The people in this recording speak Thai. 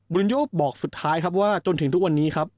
รินโยบอกสุดท้ายครับว่าจนถึงทุกวันนี้ครับ